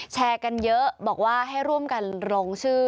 แชร์กันเยอะบอกว่าให้ร่วมกันลงชื่อ